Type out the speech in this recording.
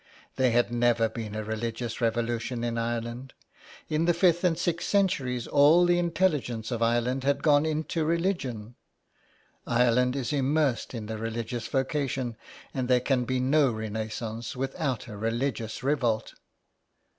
There had never been a religious revolution in Ireland. In the fifth and sixth centuries all the intelligence of Ireland had gone into religion. " Ireland is immersed in the religious vocation, and there can be no renaissance without a religious revolt.''